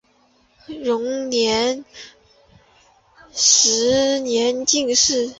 乾隆十年进士。